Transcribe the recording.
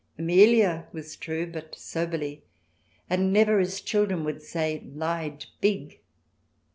Ameha was true, but soberly, and never, as children would say, "lied big."